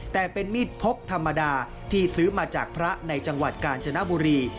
แต่เป็นมีดพกธรรมดาที่ซื้อมาจากพระในจังหวัดกาญจนบุรี